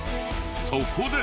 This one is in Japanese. そこで。